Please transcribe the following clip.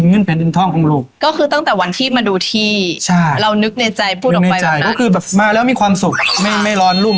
คือเมื่อกี้มันมีความสุขไม่ร้อนรุ่่ม